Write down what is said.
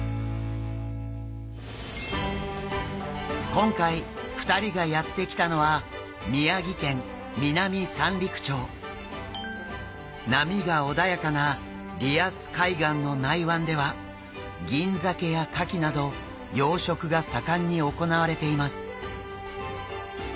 今回２人がやって来たのは波が穏やかなリアス海岸の内湾ではギンザケやカキなど養殖が盛んに行われています。